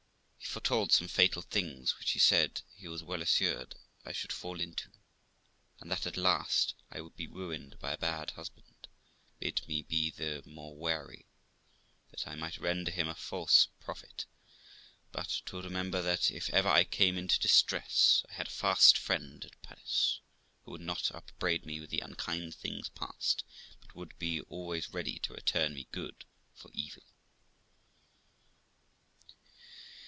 He foretold some fatal things which, he said, he was well assured I should fall into, and that, at last, I would be ruined by a bad husband ; bid me be the more wary, that I might render him a false prophet ; but to re member that, if ever I came into distress, I had a fast friend at Paris, who would not upbraid me with the unkind things past, but would be always ready to return me good for evil.